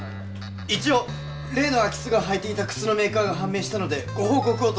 一応例の空き巣が履いていた靴のメーカーが判明したのでご報告をと。